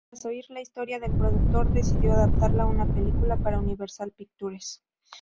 Tras oír la historia, el productor decidió adaptarla a una película para Universal Pictures.